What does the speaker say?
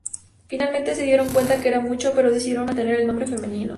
Finalmente se dieron cuenta que era macho, pero decidieron mantener el nombre femenino.